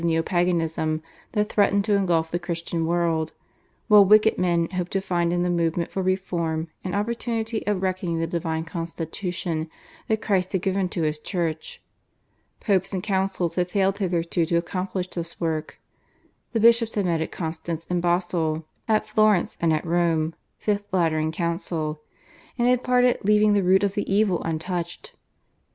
Earnest men looked forward to this as the sole means of stemming the tide of neo paganism that threatened to engulf the Christian world, while wicked men hoped to find in the movement for reform an opportunity of wrecking the divine constitution that Christ had given to His Church. Popes and Councils had failed hitherto to accomplish this work. The bishops had met at Constance and Basle, at Florence and at Rome (5th Lateran Council), and had parted leaving the root of the evil untouched.